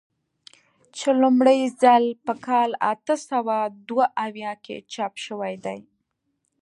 چې لومړی ځل په کال اته سوه دوه اویا کې چاپ شوی دی.